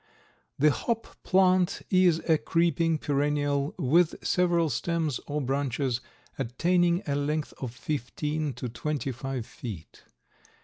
The hop plant is a creeping perennial with several stems or branches attaining a length of fifteen to twenty five feet.